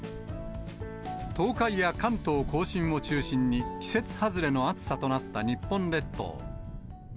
東海や関東甲信を中心に、季節外れの暑さとなった日本列島。